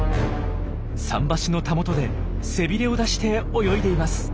桟橋のたもとで背びれを出して泳いでいます。